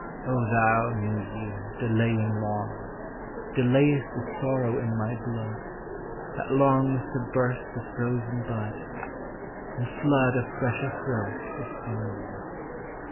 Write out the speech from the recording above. O thou, new year, delaying long, Delayest the sorrow in my blood. That longs to burst a frozen bud, And Hood a fresher throat with song.